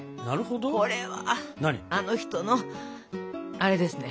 これはあの人のアレですね！